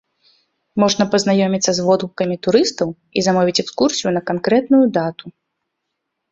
Можна пазнаёміцца з водгукамі турыстаў і замовіць экскурсію на канкрэтную дату.